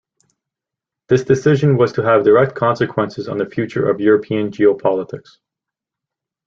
This decision was to have direct consequences on the future of European geopolitics.